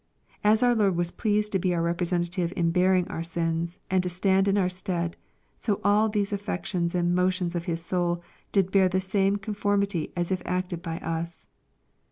As our Lord was pleased to be our representative in bearing our sins, and to stand in our stead, so all these affections and motions of His soul did bear the same conform ity a? if acted by us.